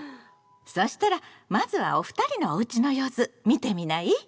そしたらまずはお二人のおうちの様子見てみない？